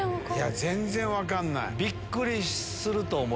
全然分かんない。